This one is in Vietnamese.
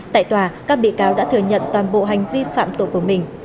tại tòa các bị cáo đã thừa nhận toàn bộ hành vi phạm tội của mình